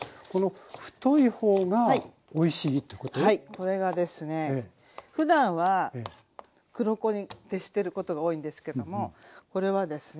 これがですねふだんは黒子に徹してることが多いんですけどもこれはですね